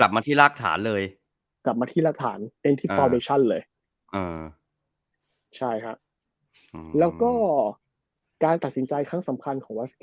กลับมาที่กลับมาที่รากฐานเลยกลับมาที่ราคาสาธารณ์